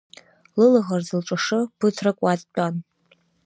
Лылаӷырӡ лҿашы, ԥыҭрак уа дтәан.